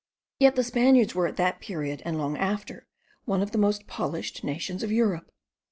Yet the Spaniards were at that period, and long after, one of the most polished nations of Europe.